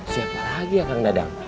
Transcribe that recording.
siapa lagi ya kang dadang